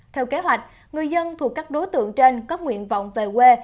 theo kế hoạch người dân thuộc các đối tượng trên có nguyện vọng về quê